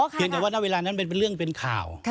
เพียงแต่ว่าณเวลานั้นเป็นเรื่องเป็นข่าว